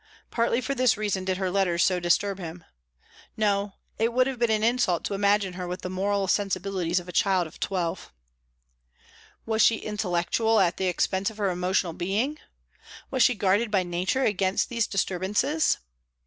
Partly for this reason did her letters so disturb him. No; it would have been an insult to imagine her with the moral sensibilities of a child of twelve. Was she intellectual at the expense of her emotional being? Was she guarded by nature against these disturbances?